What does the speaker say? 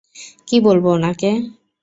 কী বলব উনাকে?